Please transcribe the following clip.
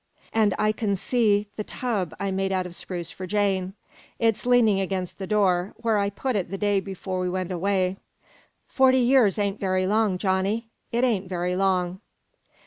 An' I can see the tub I made out o' spruce for Jane. It's leaning next the door, where I put it the day before we went away. Forty years ain't very long, Johnny! It ain't very long!"